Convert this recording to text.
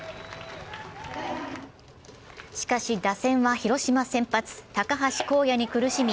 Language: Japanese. しかし、打線は広島先発・高橋昂也に苦しみ